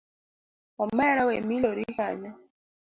Omera we milori kanyo.